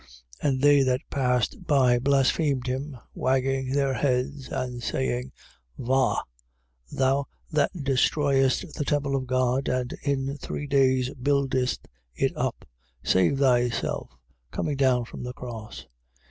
15:29. And they that passed by blasphemed him, wagging their heads and saying: Vah, thou that destroyest the temple of God and in three days buildest it up again: 15:30. Save thyself, coming down from the cross.